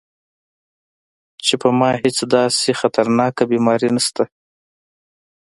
چې پۀ ما هېڅ داسې خطرناکه بيماري نشته -